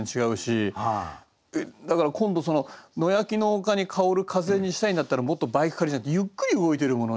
だから今度「野焼きの丘に香る風」にしたいんだったらもっと「バイク駆り」じゃなくてゆっくり動いてる物に。